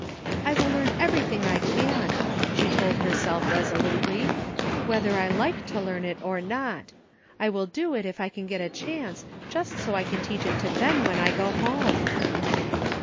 "I will learn everything I can," she told herself resolutely, '' whether I like to learn it or not ; I will do it if I get a chance, just so I can teach it to Ben when I go home."